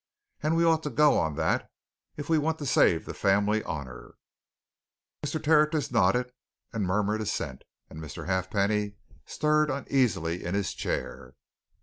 And we ought to go on that, if we want to save the family honour." Mr. Tertius nodded and murmured assent, and Mr. Halfpenny stirred uneasily in his chair.